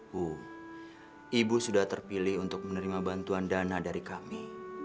bu ibu sudah terpilih untuk menerima bantuan dana dari kami